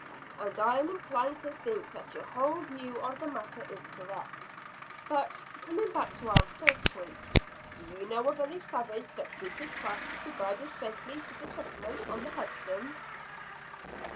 "And I am inclined to think that your whole view of the matter is correct. But, coming back to our first point, do you know of any savage that we could trust to guide us safely to the settlements on the Hudson?"